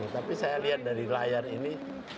tapi saya lihat dari layar ini